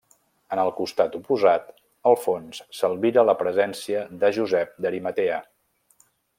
En el costat oposat, al fons, s'albira la presència de Josep d'Arimatea.